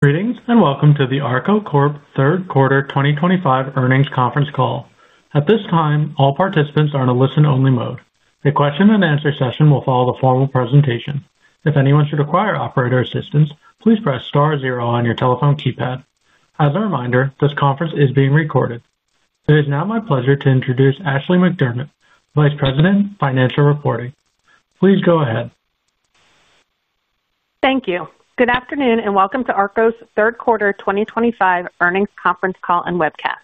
Greetings and welcome to the Arko Corp third quarter 2025 earnings conference call. At this time, all participants are in a listen-only mode. A question-and-answer session will follow the formal presentation. If anyone should require operator assistance, please press star zero on your telephone keypad. As a reminder, this conference is being recorded. It is now my pleasure to introduce Ashley McDermott, Vice President, Financial Reporting. Please go ahead. Thank you. Good afternoon and welcome to Arko's third quarter 2025 earnings conference call and webcast.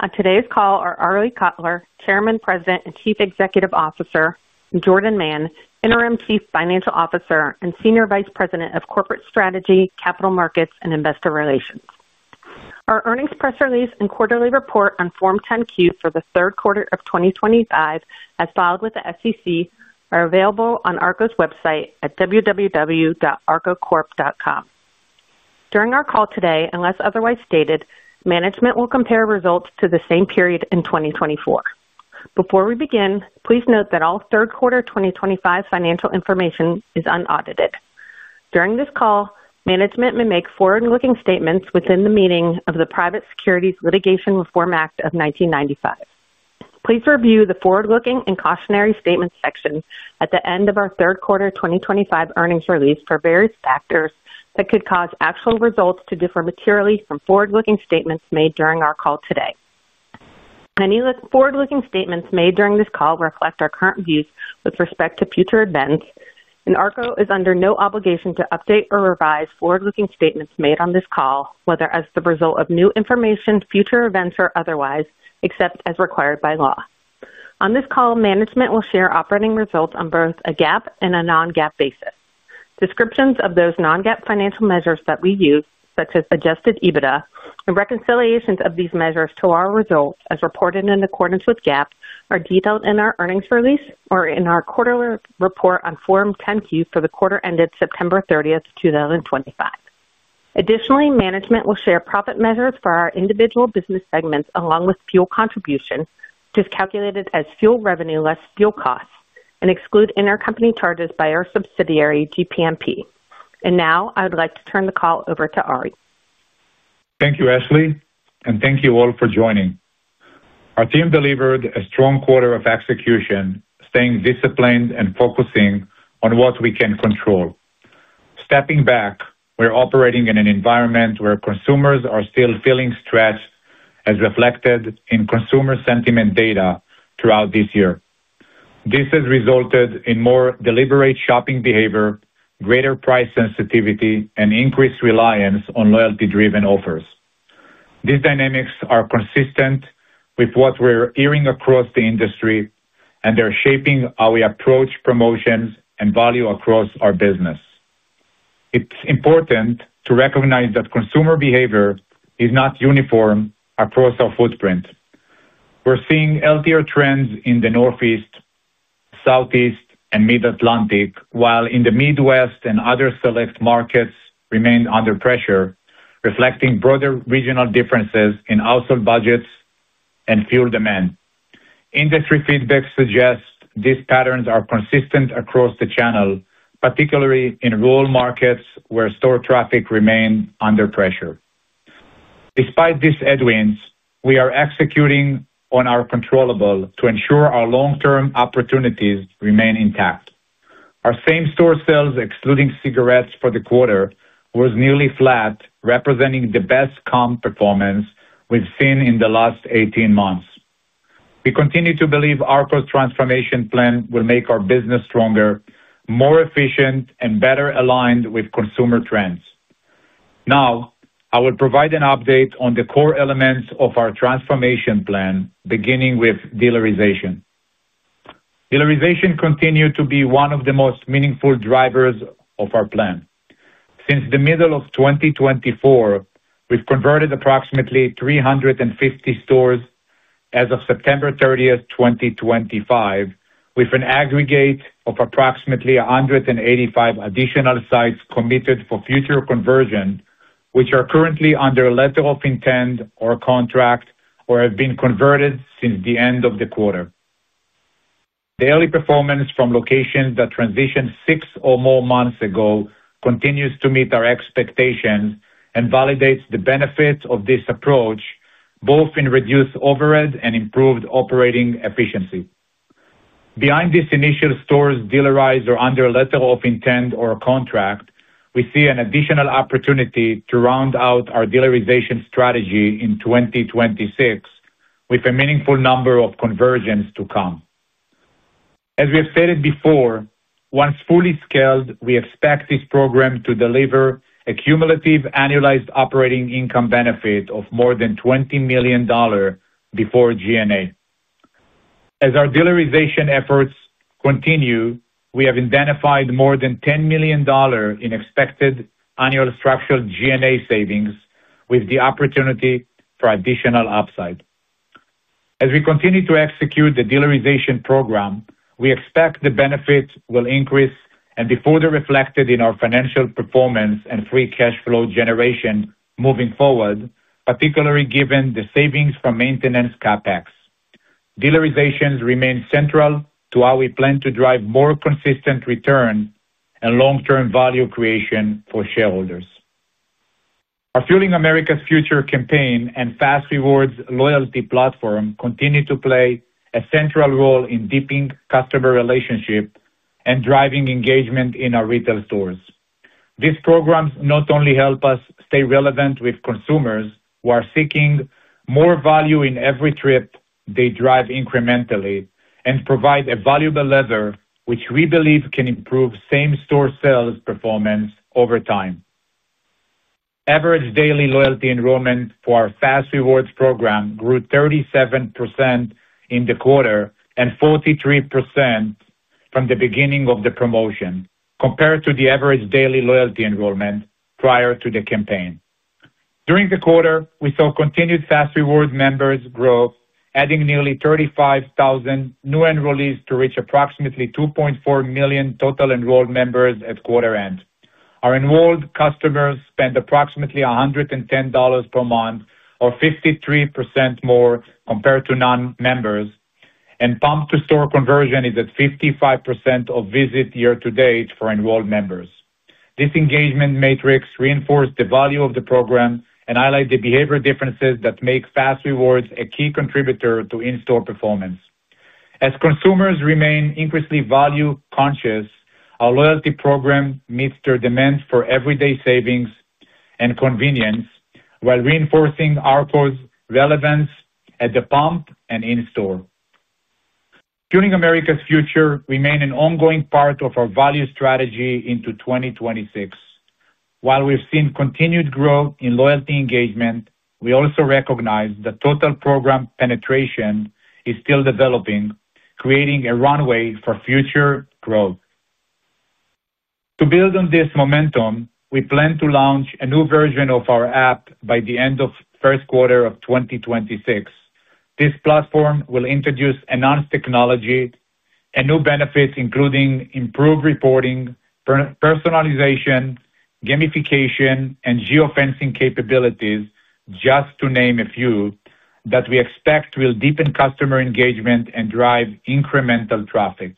On today's call are Arie Kotler, Chairman, President, and Chief Executive Officer; Jordan Mann, Interim Chief Financial Officer; and Senior Vice President of Corporate Strategy, Capital Markets, and Investor Relations. Our earnings press release and quarterly report on Form 10Q for the Third Quarter of 2025, as filed with the SEC, are available on Arko's website at www.ArkoCorp.com. During our call today, unless otherwise stated, management will compare results to the same period in 2024. Before we begin, please note that all Third Quarter 2025 financial information is unaudited. During this call, management may make forward-looking statements within the meaning of the Private Securities Litigation Reform Act of 1995. Please review the forward-looking and cautionary statements section at the end of our Third Quarter 2025 earnings release for various factors that could cause actual results to differ materially from forward-looking statements made during our call today. Any forward-looking statements made during this call reflect our current views with respect to future events, and Arko is under no obligation to update or revise forward-looking statements made on this call, whether as the result of new information, future events, or otherwise, except as required by law. On this call, management will share operating results on both a GAAP and a non-GAAP basis. Descriptions of those non-GAAP financial measures that we use, such as Adjusted EBITDA, and reconciliations of these measures to our results, as reported in accordance with GAAP, are detailed in our earnings release or in our quarterly report on Form 10Q for the quarter ended September 30, 2025. Additionally, management will share profit measures for our individual business segments along with fuel contributions, which is calculated as fuel revenue less fuel costs, and exclude intercompany charges by our subsidiary, GPMP. I would like to turn the call over to Arie. Thank you, Ashley, and thank you all for joining. Our team delivered a strong quarter of execution, staying disciplined and focusing on what we can control. Stepping back, we're operating in an environment where consumers are still feeling stretched, as reflected in consumer sentiment data throughout this year. This has resulted in more deliberate shopping behavior, greater price sensitivity, and increased reliance on loyalty-driven offers. These dynamics are consistent with what we're hearing across the industry, and they're shaping how we approach promotions and value across our business. It's important to recognize that consumer behavior is not uniform across our footprint. We're seeing healthier trends in the Northeast, Southeast, and Mid-Atlantic, while the Midwest and other select markets remain under pressure, reflecting broader regional differences in household budgets and fuel demand. Industry feedback suggests these patterns are consistent across the channel, particularly in rural markets where store traffic remained under pressure. Despite these headwinds, we are executing on our controllable to ensure our long-term opportunities remain intact. Our same store sales, excluding cigarettes for the quarter, was nearly flat, representing the best comp performance we've seen in the last 18 months. We continue to believe Arko's transformation plan will make our business stronger, more efficient, and better aligned with consumer trends. Now, I will provide an update on the core elements of our transformation plan, beginning with dealerization. Dealerization continued to be one of the most meaningful drivers of our plan. Since the middle of 2024, we've converted approximately 350 stores as of September 30, 2025, with an aggregate of approximately 185 additional sites committed for future conversion, which are currently under letter of intent or contract or have been converted since the end of the quarter. The early performance from locations that transitioned six or more months ago continues to meet our expectations and validates the benefits of this approach, both in reduced overhead and improved operating efficiency. Behind these initial stores dealerized or under letter of intent or contract, we see an additional opportunity to round out our dealerization strategy in 2026, with a meaningful number of conversions to come. As we have stated before, once fully scaled, we expect this program to deliver a cumulative annualized operating income benefit of more than $20 million. Before G&A. As our dealerization efforts continue, we have identified more than $10 million in expected annual structural G&A savings, with the opportunity for additional upside. As we continue to execute the dealerization program, we expect the benefits will increase and be further reflected in our financial performance and free cash flow generation moving forward, particularly given the savings from maintenance CapEx. Dealerization remains central to how we plan to drive more consistent return and long-term value creation for shareholders. Our Fueling America's Future campaign and Fast Rewards loyalty platform continue to play a central role in deepening customer relationships and driving engagement in our retail stores. These programs not only help us stay relevant with consumers who are seeking more value in every trip, they drive incrementally and provide a valuable lever which we believe can improve same-store sales performance over time. Average daily loyalty enrollment for our Fast Rewards program grew 37% in the quarter and 43% from the beginning of the promotion, compared to the average daily loyalty enrollment prior to the campaign. During the quarter, we saw continued Fast Rewards members grow, adding nearly 35,000 new enrollees to reach approximately 2.4 million total enrolled members at quarter end. Our enrolled customers spend approximately $110 per month, or 53% more compared to non-members, and pump-to-store conversion is at 55% of visit year-to-date for enrolled members. This engagement matrix reinforced the value of the program and highlighted the behavior differences that make Fast Rewards a key contributor to in-store performance. As consumers remain increasingly value-conscious, our loyalty program meets their demands for everyday savings and convenience, while reinforcing Arko's relevance at the pump and in-store. Fueling America's Future remains an ongoing part of our value strategy into 2026. While we've seen continued growth in loyalty engagement, we also recognize that total program penetration is still developing, creating a runway for future growth. To build on this momentum, we plan to launch a new version of our app by the end of the first quarter of 2026. This platform will introduce enhanced technology and new benefits, including improved reporting. Personalization, gamification, and geofencing capabilities, just to name a few, that we expect will deepen customer engagement and drive incremental traffic.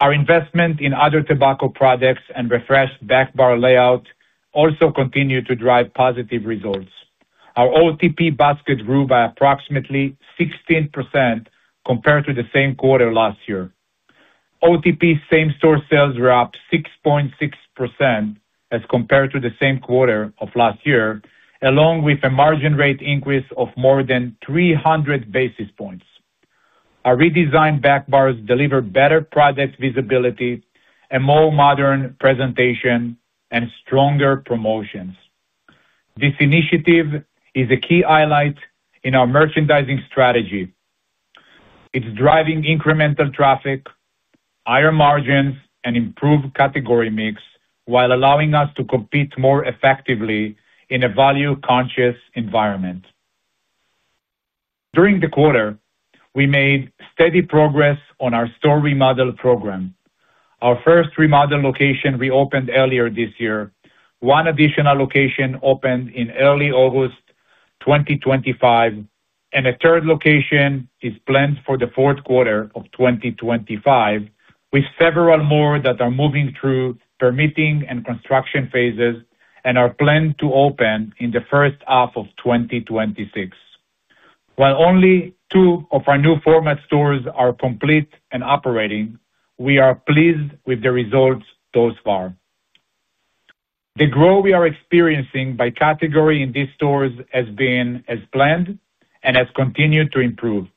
Our investment in other tobacco products and refreshed back bar layout also continues to drive positive results. Our OTP basket grew by approximately 16% compared to the same quarter last year. OTP same-store sales were up 6.6% as compared to the same quarter of last year, along with a margin rate increase of more than 300 basis points. Our redesigned back bars deliver better product visibility, a more modern presentation, and stronger promotions. This initiative is a key highlight in our merchandising strategy. It's driving incremental traffic, higher margins, and improved category mix, while allowing us to compete more effectively in a value-conscious environment. During the quarter, we made steady progress on our store remodel program. Our first remodel location reopened earlier this year. One additional location opened in early August 2025. A third location is planned for the fourth quarter of 2025, with several more that are moving through permitting and construction phases and are planned to open in the first half of 2026. While only two of our new format stores are complete and operating, we are pleased with the results thus far. The growth we are experiencing by category in these stores has been as planned and has continued to improve.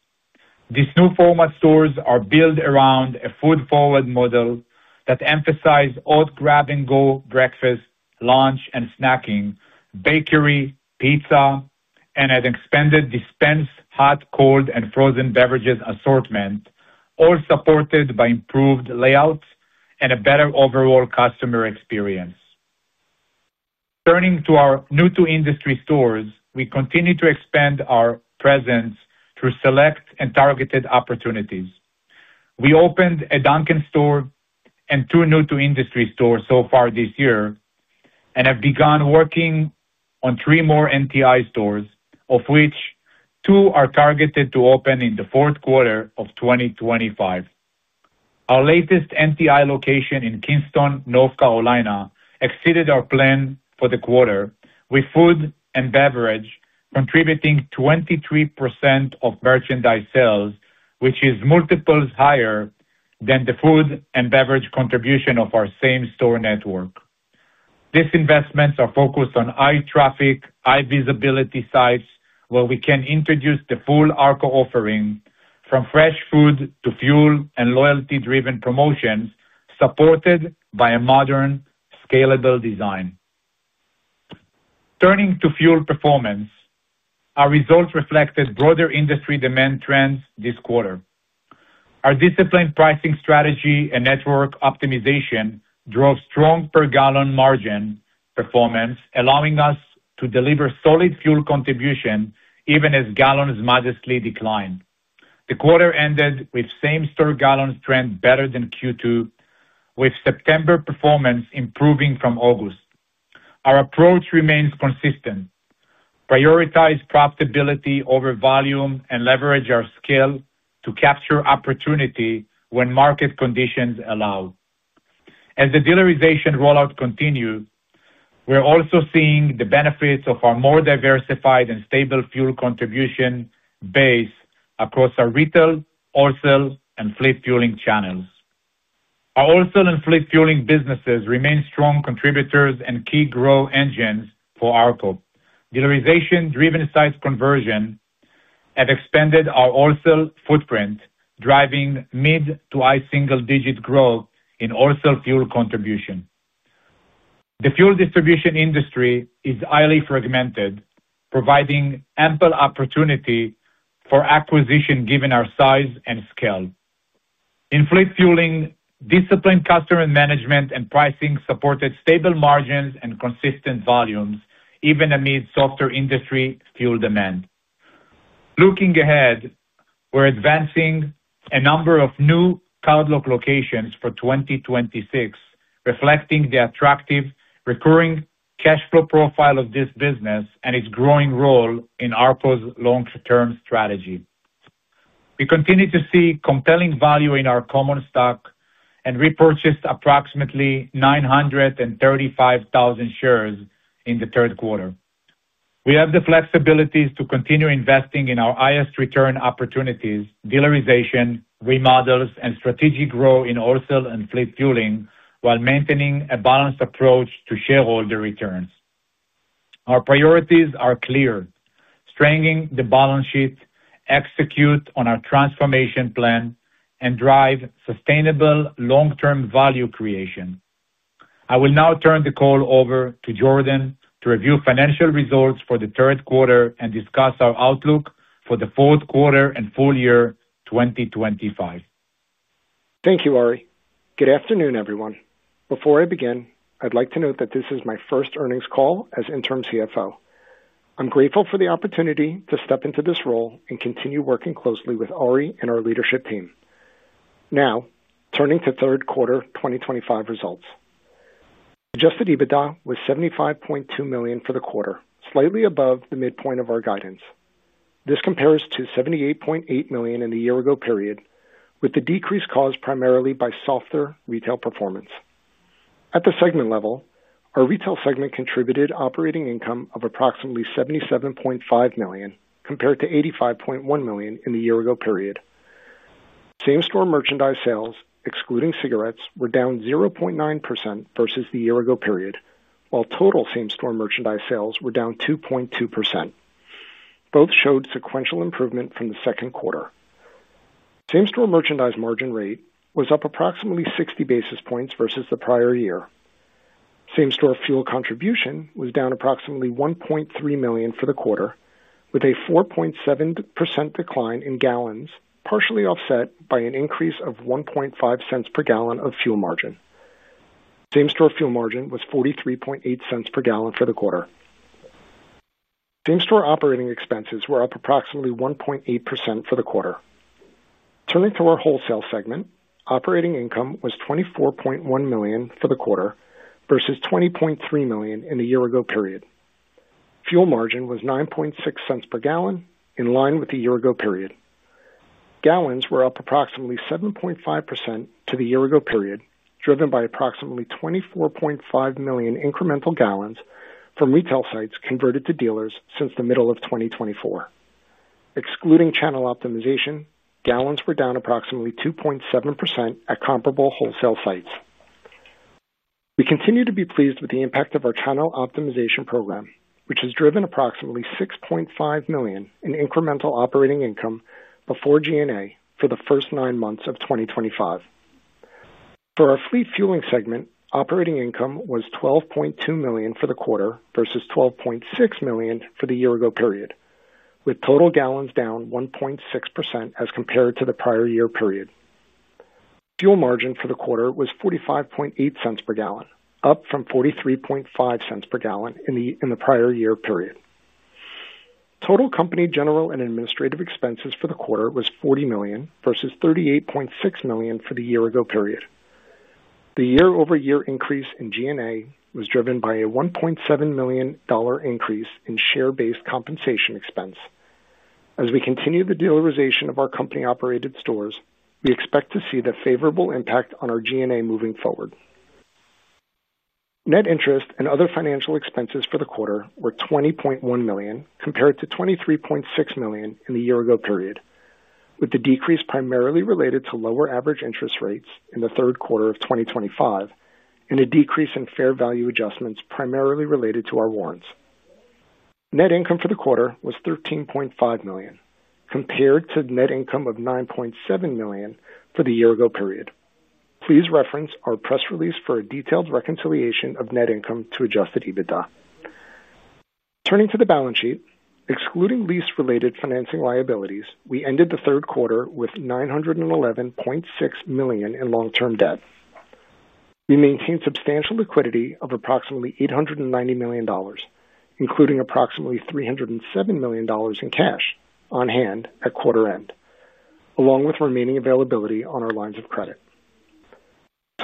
These new format stores are built around a food-forward model that emphasizes all grab-and-go breakfast, lunch, and snacking, bakery, pizza, and an expanded dispense hot, cold, and frozen beverages assortment, all supported by improved layouts and a better overall customer experience. Turning to our new-to-industry stores, we continue to expand our presence through select and targeted opportunities. We opened a Dunkin' store and two new-to-industry stores so far this year and have begun working on three more NTI stores, of which two are targeted to open in the fourth quarter of 2025. Our latest NTI location in Kingston, North Carolina, exceeded our plan for the quarter, with food and beverage contributing 23% of merchandise sales, which is multiples higher than the food and beverage contribution of our same-store network. These investments are focused on eye traffic, eye visibility sites, where we can introduce the full Arko offering, from fresh food to fuel and loyalty-driven promotions, supported by a modern, scalable design. Turning to fuel performance, our results reflected broader industry demand trends this quarter. Our disciplined pricing strategy and network optimization drove strong per-gallon margin performance, allowing us to deliver solid fuel contribution even as gallons modestly declined. The quarter ended with same-store gallons trend better than Q2, with September performance improving from August. Our approach remains consistent: prioritize profitability over volume and leverage our skill to capture opportunity when market conditions allow. As the dealerization rollout continues, we're also seeing the benefits of our more diversified and stable fuel contribution base across our retail, wholesale, and fleet fueling channels. Our wholesale and fleet fueling businesses remain strong contributors and key growth engines for Arko. Dealerization-driven size conversion. Have expanded our wholesale footprint, driving mid to high single-digit growth in wholesale fuel contribution. The fuel distribution industry is highly fragmented, providing ample opportunity for acquisition given our size and scale. In fleet fueling, disciplined customer management and pricing supported stable margins and consistent volumes, even amid softer industry fuel demand. Looking ahead, we're advancing a number of new cardlock locations for 2026, reflecting the attractive recurring cash flow profile of this business and its growing role in Arko's long-term strategy. We continue to see compelling value in our common stock and repurchased approximately 935,000 shares in the third quarter. We have the flexibility to continue investing in our highest return opportunities: dealerization, remodels, and strategic growth in wholesale and fleet fueling, while maintaining a balanced approach to shareholder returns. Our priorities are clear: strengthen the balance sheet, execute on our transformation plan, and drive sustainable long-term value creation. I will now turn the call over to Jordan to review financial results for the third quarter and discuss our outlook for the fourth quarter and full year 2025. Thank you, Arie. Good afternoon, everyone. Before I begin, I'd like to note that this is my first earnings call as Interim CFO. I'm grateful for the opportunity to step into this role and continue working closely with Arie and our leadership team. Now, turning to third quarter 2025 results. Adjusted EBITDA was $75.2 million for the quarter, slightly above the midpoint of our guidance. This compares to $78.8 million in the year-ago period, with the decrease caused primarily by softer retail performance. At the segment level, our retail segment contributed operating income of approximately $77.5 million compared to $85.1 million in the year-ago period. Same-store merchandise sales, excluding cigarettes, were down 0.9% versus the year-ago period, while total same-store merchandise sales were down 2.2%. Both showed sequential improvement from the second quarter. Same-store merchandise margin rate was up approximately 60 basis points versus the prior year. Same-store fuel contribution was down approximately $1.3 million for the quarter, with a 4.7% decline in gallons, partially offset by an increase of $0.015 per gallon of fuel margin. Same-store fuel margin was $0.438 per gallon for the quarter. Same-store operating expenses were up approximately 1.8% for the quarter. Turning to our wholesale segment, operating income was $24.1 million for the quarter versus $20.3 million in the year-ago period. Fuel margin was $0.096 per gallon, in line with the year-ago period. Gallons were up approximately 7.5% to the year-ago period, driven by approximately 24.5 million incremental gallons from retail sites converted to dealers since the middle of 2024. Excluding channel optimization, gallons were down approximately 2.7% at comparable wholesale sites. We continue to be pleased with the impact of our channel optimization program, which has driven approximately $6.5 million in incremental operating income before G&A for the first nine months of 2025. For our fleet fueling segment, operating income was $12.2 million for the quarter versus $12.6 million for the year-ago period, with total gallons down 1.6% as compared to the prior year period. Fuel margin for the quarter was $0.458 per gallon, up from $0.435 per gallon in the prior year period. Total company general and administrative expenses for the quarter was $40 million versus $38.6 million for the year-ago period. The year-over-year increase in G&A was driven by a $1.7 million increase in share-based compensation expense. As we continue the dealerization of our company-operated stores, we expect to see the favorable impact on our G&A moving forward. Net interest and other financial expenses for the quarter were $20.1 million compared to $23.6 million in the year-ago period, with the decrease primarily related to lower average interest rates in the third quarter of 2025 and a decrease in fair value adjustments primarily related to our warrants. Net income for the quarter was $13.5 million, compared to net income of $9.7 million for the year-ago period. Please reference our press release for a detailed reconciliation of net income to Adjusted EBITDA. Turning to the balance sheet, excluding lease-related financing liabilities, we ended the third quarter with $911.6 million in long-term debt. We maintained substantial liquidity of approximately $890 million, including approximately $307 million in cash on hand at quarter end, along with remaining availability on our lines of credit.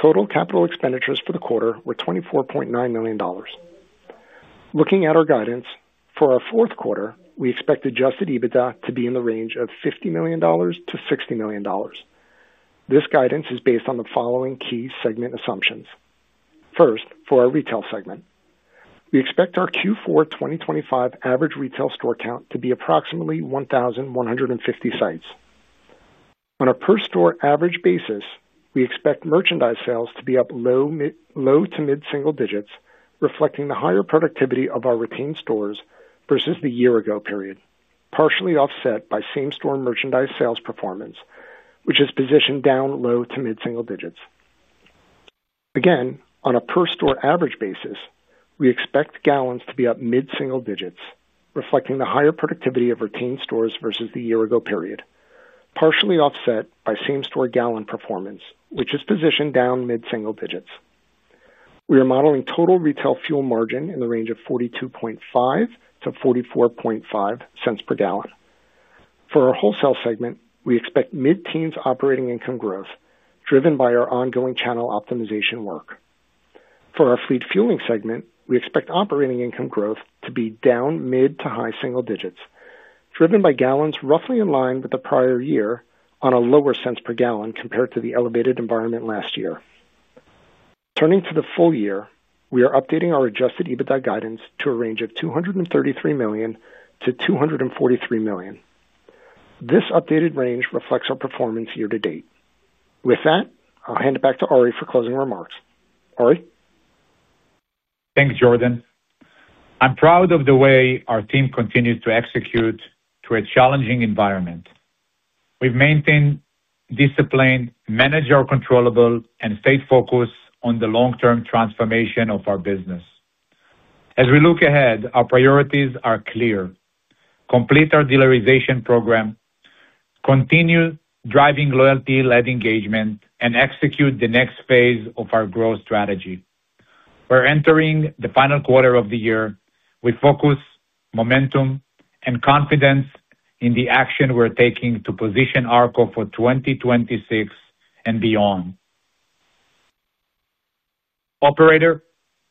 Total capital expenditures for the quarter were $24.9 million. Looking at our guidance, for our fourth quarter, we expect Adjusted EBITDA to be in the range of $50 million-$60 million. This guidance is based on the following key segment assumptions. First, for our retail segment, we expect our Q4 2025 average retail store count to be approximately 1,150 sites. On a per-store average basis, we expect merchandise sales to be up low to mid-single digits, reflecting the higher productivity of our retained stores versus the year-ago period, partially offset by same-store merchandise sales performance, which is positioned down low to mid-single digits. Again, on a per-store average basis, we expect gallons to be up mid-single digits, reflecting the higher productivity of retained stores versus the year-ago period, partially offset by same-store gallon performance, which is positioned down mid-single digits. We are modeling total retail fuel margin in the range of $0.425-$0.445 per gallon. For our wholesale segment, we expect mid-teens operating income growth, driven by our ongoing channel optimization work. For our fleet fueling segment, we expect operating income growth to be down mid to high single digits, driven by gallons roughly in line with the prior year on a lower cents per gallon compared to the elevated environment last year. Turning to the full year, we are updating our adjusted EBITDA guidance to a range of $233 million-$243 million. This updated range reflects our performance year to date. With that, I'll hand it back to Arie for closing remarks. Arie? Thanks, Jordan. I'm proud of the way our team continues to execute through a challenging environment. We've maintained discipline, managed our controllability, and stayed focused on the long-term transformation of our business. As we look ahead, our priorities are clear: complete our dealerization program, continue driving loyalty-led engagement, and execute the next phase of our growth strategy. We're entering the final quarter of the year with focus, momentum, and confidence in the action we're taking to position Arko for 2026 and beyond. Operator,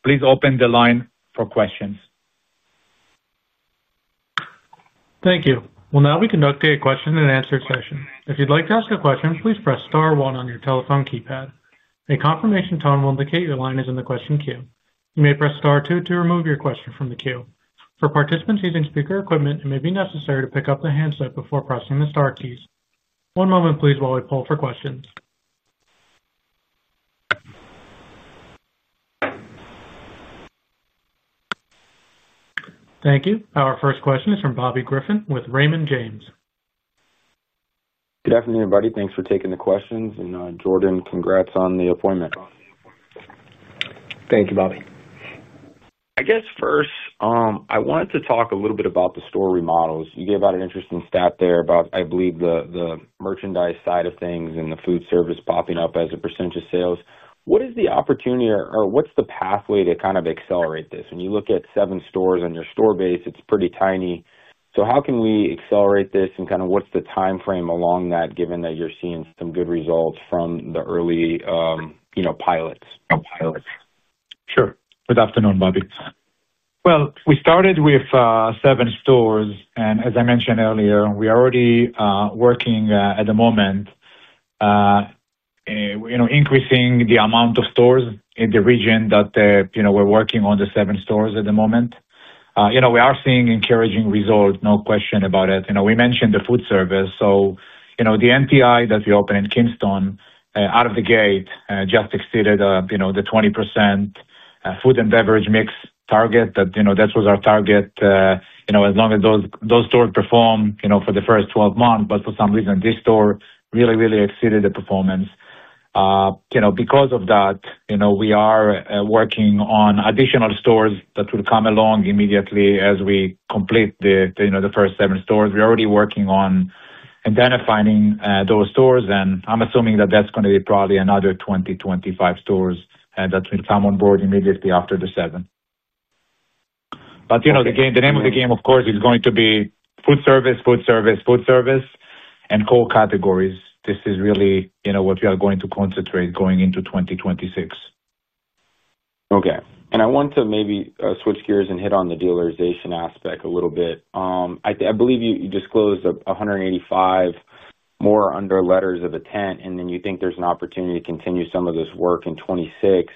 please open the line for questions. Thank you. Now we conduct a question-and-answer session. If you'd like to ask a question, please press star one on your telephone keypad. A confirmation tone will indicate your line is in the question queue. You may press star two to remove your question from the queue. For participants using speaker equipment, it may be necessary to pick up the handset before pressing the Star keys. One moment, please, while we pull for questions. Thank you. Our first question is from Bobby Griffin with Raymond James. Good afternoon, everybody. Thanks for taking the questions. And Jordan, congrats on the appointment. Thank you, Bobby. I guess first, I wanted to talk a little bit about the store remodels. You gave out an interesting stat there about, I believe, the merchandise side of things and the food service popping up as a percentage of sales. What is the opportunity or what's the pathway to kind of accelerate this? When you look at seven stores on your store base, it's pretty tiny. So how can we accelerate this and kind of what's the timeframe along that, given that you're seeing some good results from the early pilots? Sure. Good afternoon, Bobby. We started with seven stores. As I mentioned earlier, we are already working at the moment, increasing the amount of stores in the region that we are working on, the seven stores at the moment. We are seeing encouraging results, no question about it. We mentioned the food service. The NTI that we opened in Kingston, out of the gate, just exceeded the 20% food and beverage mix target. That was our target as long as those stores perform for the first 12 months. For some reason, this store really, really exceeded the performance. Because of that, we are working on additional stores that will come along immediately as we complete the first seven stores. We are already working on identifying those stores. I'm assuming that is going to be probably another 20-25 stores that will come on board immediately after the seven. The name of the game, of course, is going to be food service, food service, food service, and core categories. This is really what we are going to concentrate going into 2026. Okay. I want to maybe switch gears and hit on the dealerization aspect a little bit. I believe you disclosed 185. More under letters of intent, and then you think there is an opportunity to continue some of this work in 2026.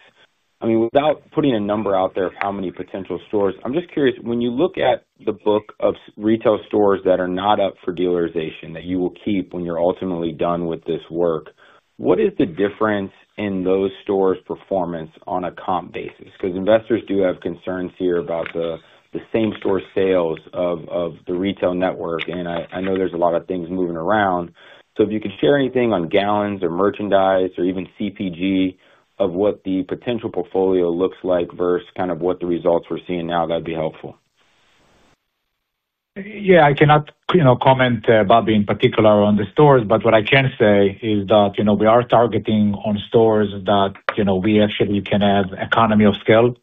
I mean, without putting a number out there of how many potential stores, I am just curious, when you look at the book of retail stores that are not up for dealerization that you will keep when you are ultimately done with this work, what is the difference in those stores' performance on a comp basis? Because investors do have concerns here about the same-store sales of the retail network, and I know there's a lot of things moving around. If you could share anything on gallons or merchandise or even CPG of what the potential portfolio looks like versus kind of what the results we're seeing now, that'd be helpful. Yeah. I cannot comment, Bobby, in particular on the stores, but what I can say is that we are targeting on stores that we actually can have economy of scale.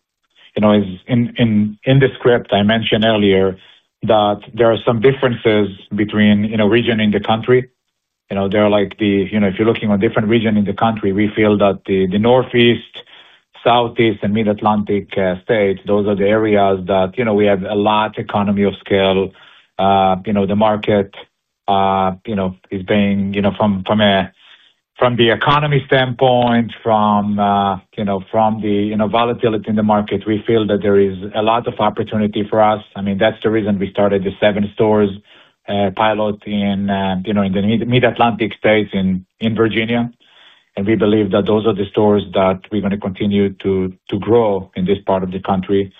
In the script, I mentioned earlier that there are some differences between region in the country. If you're looking on different regions in the country, we feel that the Northeast, Southeast, and Mid-Atlantic states, those are the areas that we have a lot of economy of scale. The market is being, from the economy standpoint, from. The volatility in the market, we feel that there is a lot of opportunity for us. I mean, that's the reason we started the seven-store pilot in the Mid-Atlantic states in Virginia. We believe that those are the stores that we're going to continue to grow in this part of the country.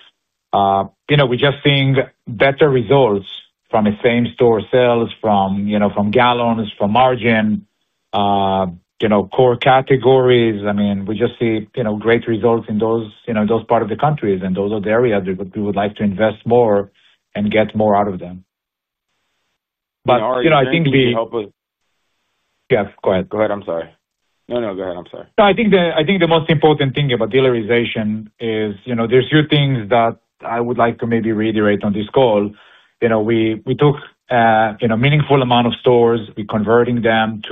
We just see better results from the same-store sales, from gallons, from margin. Core categories. I mean, we just see great results in those parts of the country, and those are the areas we would like to invest more and get more out of them. I think the— Yeah, go ahead. Go ahead. I'm sorry. No, no. Go ahead. I'm sorry. I think the most important thing about dealerization is there's a few things that I would like to maybe reiterate on this call. We took a meaningful amount of stores. We're converting them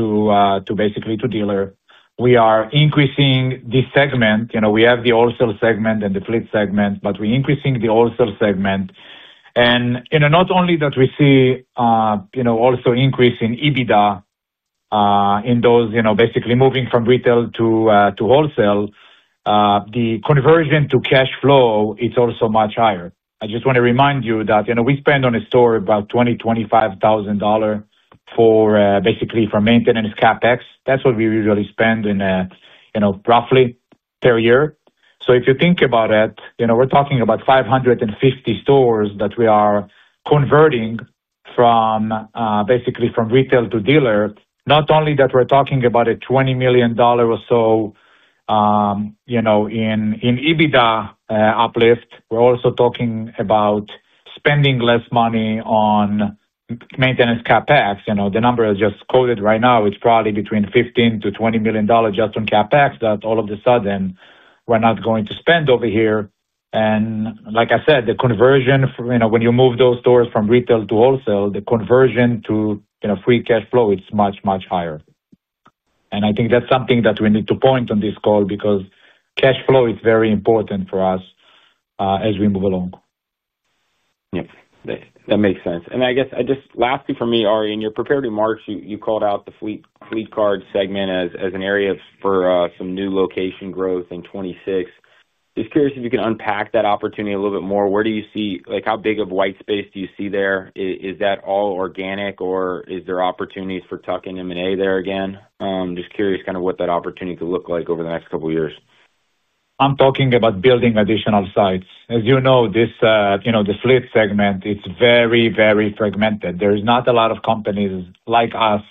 basically to dealers. We are increasing the segment. We have the wholesale segment and the fleet segment, but we're increasing the wholesale segment. Not only that, we see also increasing EBITDA in those basically moving from retail to wholesale. The conversion to cash flow is also much higher. I just want to remind you that we spend on a store about $20,000-$25,000 basically for maintenance CapEx. That's what we usually spend in, roughly per year. If you think about it, we're talking about 550 stores that we are converting from basically from retail to dealers. Not only that, we're talking about a $20 million or so in EBITDA uplift. We're also talking about spending less money on maintenance CapEx. The number is just quoted right now. It's probably between $15 million to $20 million just on capex that all of a sudden we're not going to spend over here. Like I said, the conversion, when you move those stores from retail to wholesale, the conversion to free cash flow, it's much, much higher. I think that's something that we need to point on this call because cash flow is very important for us as we move along. Yep. That makes sense. I guess just lastly for me, Arie, in your prepared remarks, you called out the fleet card segment as an area for some new location growth in 2026. Just curious if you can unpack that opportunity a little bit more. Where do you see how big of white space do you see there? Is that all organic, or is there opportunities for tuck and M&A there again? Just curious kind of what that opportunity could look like over the next couple of years. I'm talking about building additional sites. As you know, the fleet segment, it's very, very fragmented. There's not a lot of companies like us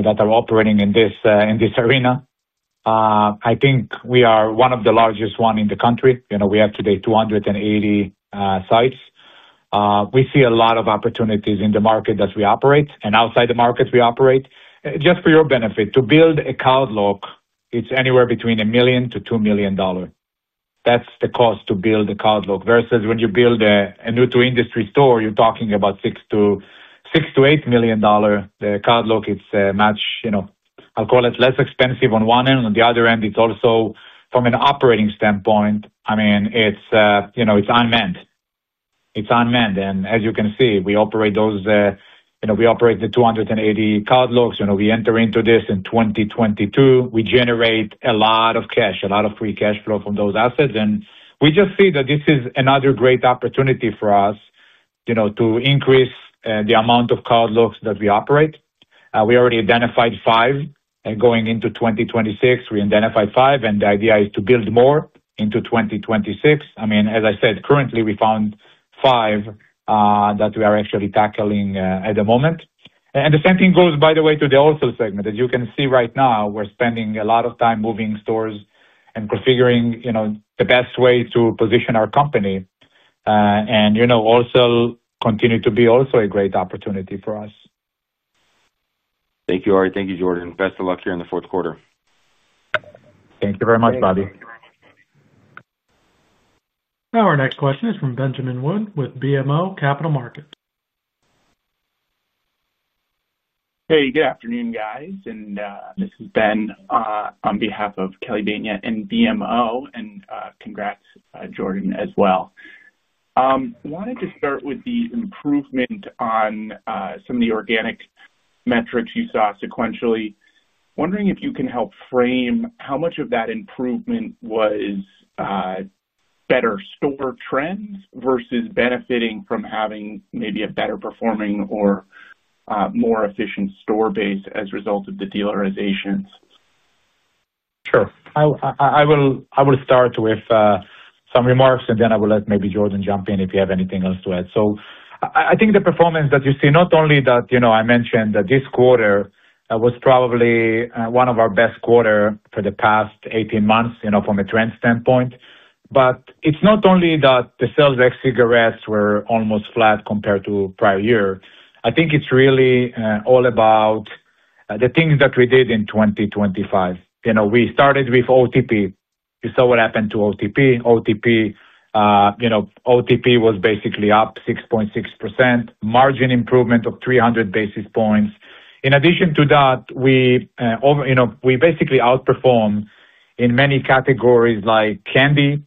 that are operating in this arena. I think we are one of the largest ones in the country. We have today 280 sites. We see a lot of opportunities in the market that we operate and outside the market we operate. Just for your benefit, to build a cardlock, it's anywhere between $1 million-$2 million. That's the cost to build a cardlock. Versus when you build a new-to-industry store, you're talking about $6 million-$8 million. The cardlock, it's much, I'll call it less expensive on one end. On the other end, it's also, from an operating standpoint, I mean, it's unmanned. It's unmanned. As you can see, we operate those. We operate the 280 cardlocks. We entered into this in 2022. We generate a lot of cash, a lot of free cash flow from those assets. We just see that this is another great opportunity for us to increase the amount of cardlocks that we operate. We already identified five. Going into 2026, we identified five. The idea is to build more into 2026. I mean, as I said, currently, we found five that we are actually tackling at the moment. The same thing goes, by the way, to the wholesale segment. As you can see right now, we're spending a lot of time moving stores and configuring the best way to position our company. Wholesale continues to be also a great opportunity for us. Thank you, Arie. Thank you, Jordan. Best of luck here in the fourth quarter. Thank you very much, Bobby. Now, our next question is from Benjamin Wood with BMO Capital Markets. Hey, good afternoon, guys. This is Ben on behalf of Kelly Bania and BMO, and congrats, Jordan, as well. I wanted to start with the improvement on some of the organic metrics you saw sequentially. Wondering if you can help frame how much of that improvement was better store trends versus benefiting from having maybe a better performing or more efficient store base as a result of the dealerizations. Sure. I will start with some remarks, and then I will let maybe Jordan jump in if you have anything else to add. I think the performance that you see, not only that I mentioned that this quarter was probably one of our best quarters for the past 18 months from a trend standpoint, but it's not only that the sales of cigarettes were almost flat compared to the prior year. I think it's really all about the things that we did in 2025. We started with OTP. You saw what happened to OTP. OTP was basically up 6.6%, margin improvement of 300 basis points. In addition to that, we basically outperformed in many categories like candy,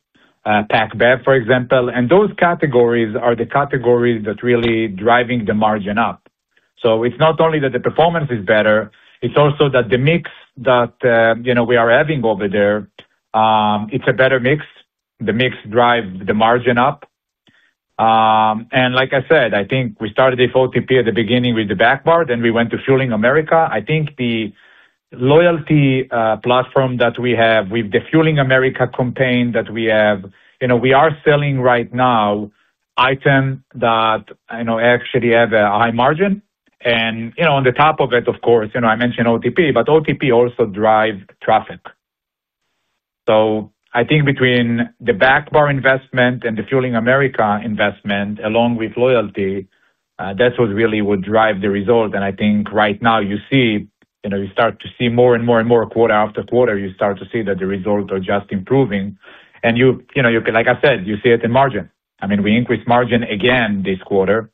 packed bed, for example. And those categories are the categories that are really driving the margin up. It's not only that the performance is better, it's also that the mix that we are having over there, it's a better mix. The mix drives the margin up. Like I said, I think we started with OTP at the beginning with the backbard, then we went to Fueling America. I think the loyalty platform that we have with the Fueling America campaign that we have, we are selling right now items that actually have a high margin. On the top of it, of course, I mentioned OTP, but OTP also drives traffic. I think between the backbard investment and the Fueling America investment, along with loyalty, that's what really would drive the result. I think right now you start to see more and more and more, quarter after quarter, you start to see that the results are just improving. Like I said, you see it in margin. I mean, we increased margin again this quarter.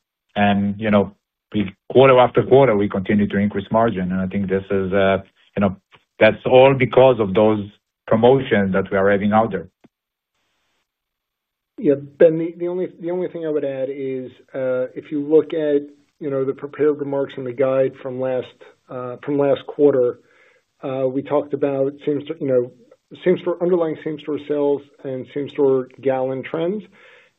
Quarter after quarter, we continue to increase margin. I think this is. That's all because of those promotions that we are having out there. Yeah. Ben, the only thing I would add is if you look at the prepared remarks and the guide from last quarter, we talked about underlying same-store sales and same-store gallon trends.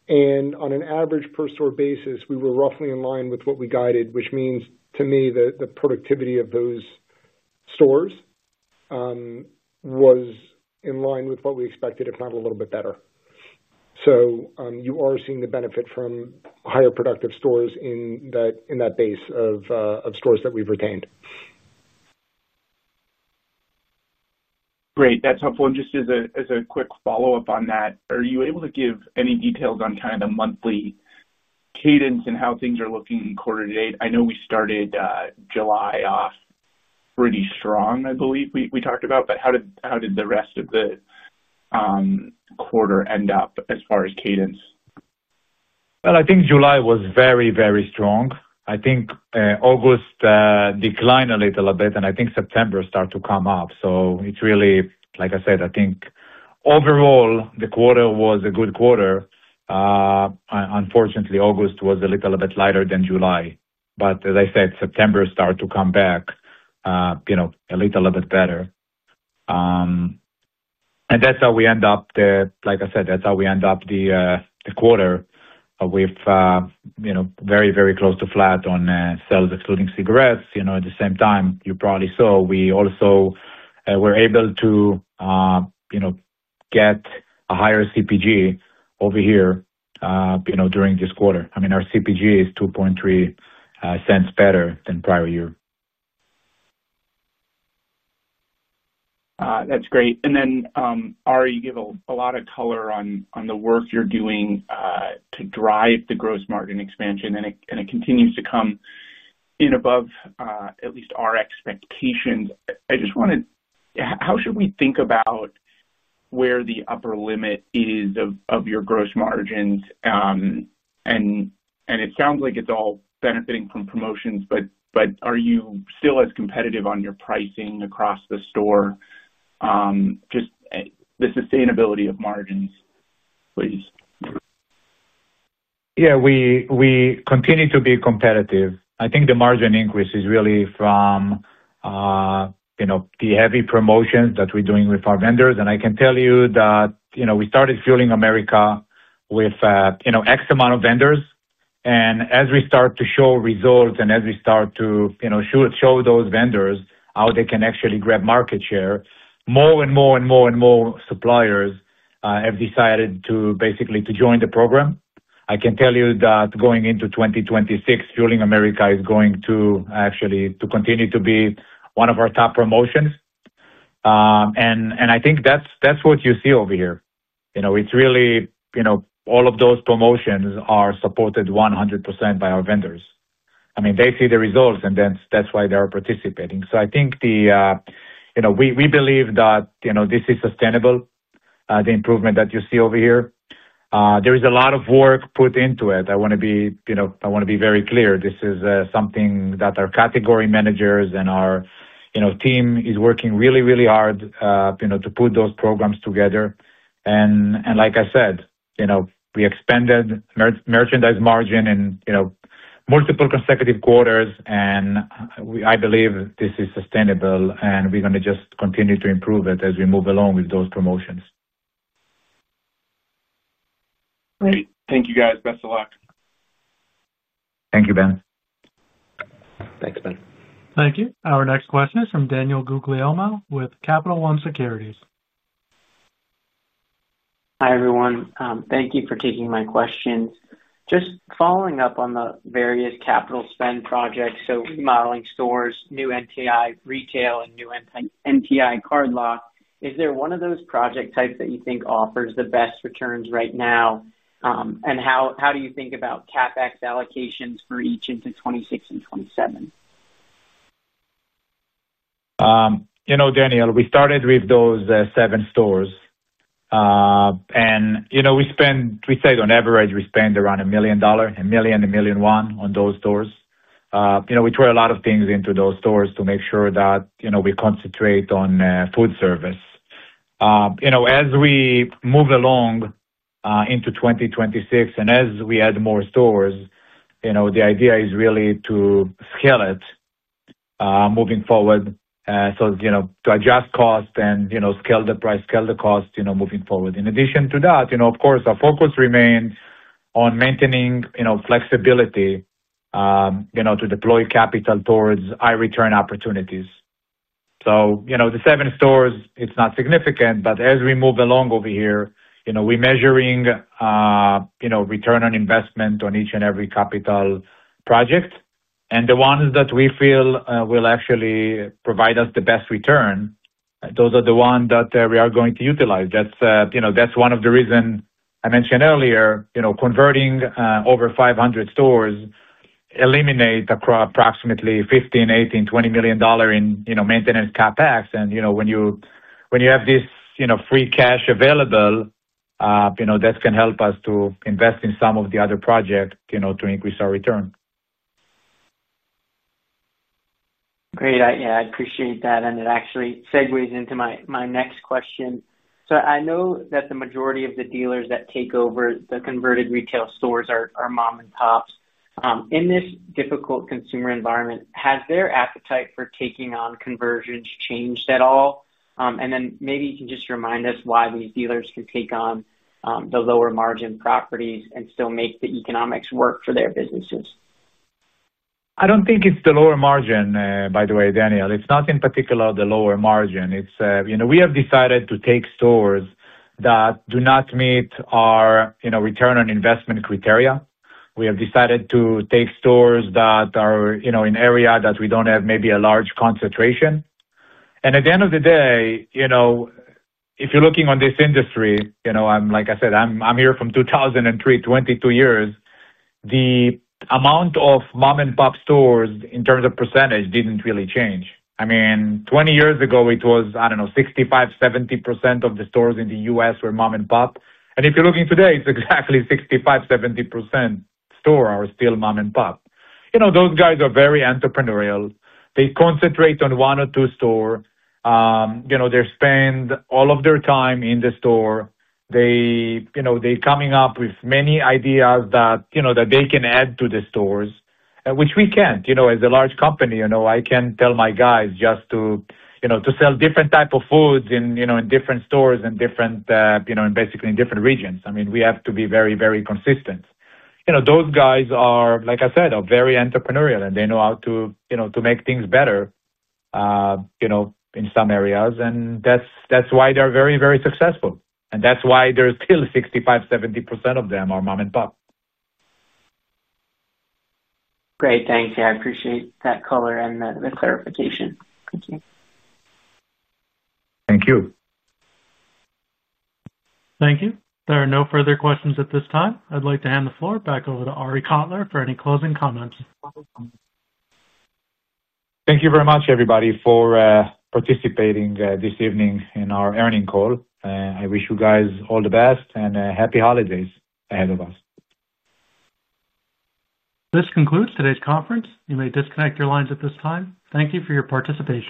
And on an average per-store basis, we were roughly in line with what we guided, which means to me that the productivity of those stores was in line with what we expected, if not a little bit better. You are seeing the benefit from higher productive stores in that base of stores that we've retained. Great. That's helpful. Just as a quick follow-up on that, are you able to give any details on kind of the monthly cadence and how things are looking quarter to date? I know we started July off. Pretty strong, I believe we talked about, but how did the rest of the quarter end up as far as cadence? I think July was very, very strong. I think August declined a little bit, and I think September started to come up. It is really, like I said, I think overall, the quarter was a good quarter. Unfortunately, August was a little bit lighter than July. As I said, September started to come back a little bit better. That is how we end up, like I said, that is how we end up the quarter with very, very close to flat on sales, excluding cigarettes. At the same time, you probably saw, we also were able to get a higher CPG over here during this quarter. I mean, our CPG is 2.3 cents better than prior year. That is great. Arie, you give a lot of color on the work you are doing to drive the gross margin expansion, and it continues to come in above at least our expectations. I just want to—how should we think about where the upper limit is of your gross margins? It sounds like it is all benefiting from promotions, but are you still as competitive on your pricing across the store? Just the sustainability of margins, please. Yeah. We continue to be competitive. I think the margin increase is really from the heavy promotions that we are doing with our vendors. I can tell you that we started Fueling America with X amount of vendors. As we start to show results and as we start to show those vendors how they can actually grab market share, more and more suppliers have decided basically to join the program. I can tell you that going into 2026, Fueling America is going to actually continue to be one of our top promotions. I think that's what you see over here. It's really all of those promotions are supported 100% by our vendors. I mean, they see the results, and that's why they are participating. I think the— We believe that this is sustainable. The improvement that you see over here. There is a lot of work put into it. I want to be—I want to be very clear. This is something that our category managers and our team are working really, really hard to put those programs together. Like I said, we expanded merchandise margin in multiple consecutive quarters, and I believe this is sustainable, and we're going to just continue to improve it as we move along with those promotions. Great. Thank you, guys. Best of luck. Thank you, Ben. Thanks, Ben. Thank you. Our next question is from Daniel Guglielmo with Capital One Securities. Hi, everyone. Thank you for taking my questions. Just following up on the various capital spend projects, so remodeling stores, new NTI retail, and new NTI cardlock, is there one of those project types that you think offers the best returns right now? How do you think about CapEx allocations for each into 2026 and 2027? Daniel, we started with those seven stores. We spend, we say on average, we spend around $1 million, $1 million, $1.1 million on those stores. We try a lot of things into those stores to make sure that we concentrate on food service. As we move along. Into 2026 and as we add more stores, the idea is really to scale it. Moving forward. To adjust costs and scale the price, scale the cost moving forward. In addition to that, of course, our focus remains on maintaining flexibility to deploy capital towards high-return opportunities. The seven stores, it's not significant, but as we move along over here, we're measuring return on investment on each and every capital project. The ones that we feel will actually provide us the best return, those are the ones that we are going to utilize. That's one of the reasons I mentioned earlier, converting over 500 stores eliminates approximately $15-$20 million in maintenance capex. When you have this free cash available, that can help us to invest in some of the other projects to increase our return. Great. Yeah, I appreciate that. It actually segues into my next question. I know that the majority of the dealers that take over the converted retail stores are mom-and-pops. In this difficult consumer environment, has their appetite for taking on conversions changed at all? Maybe you can just remind us why these dealers can take on the lower-margin properties and still make the economics work for their businesses. I do not think it is the lower margin, by the way, Daniel. It is not in particular the lower margin. We have decided to take stores that do not meet our return on investment criteria. We have decided to take stores that are in areas that we do not have maybe a large concentration. At the end of the day, if you are looking on this industry, like I said, I am here from 2003, 22 years. The amount of mom-and-pop stores in terms of percentage did not really change. I mean, 20 years ago, it was, I don't know, 65-70% of the stores in the U.S. were mom-and-pop. If you're looking today, it's exactly 65-70% stores are still mom-and-pop. Those guys are very entrepreneurial. They concentrate on one or two stores. They spend all of their time in the store. They're coming up with many ideas that they can add to the stores, which we can't. As a large company, I can't tell my guys just to sell different types of foods in different stores and basically in different regions. I mean, we have to be very, very consistent. Those guys are, like I said, very entrepreneurial, and they know how to make things better in some areas. That's why they're very, very successful. That's why there's still 65-70% of them are mom-and-pop. Great. Thanks. Yeah, I appreciate that color and the clarification. Thank you. Thank you. There are no further questions at this time. I'd like to hand the floor back over to Arie Kotler for any closing comments. Thank you very much, everybody, for participating this evening in our earning call. I wish you guys all the best and happy holidays ahead of us. This concludes today's conference. You may disconnect your lines at this time. Thank you for your participation.